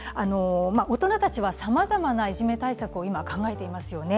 大人たちはさまざまないじめ対策を今考えていますよね。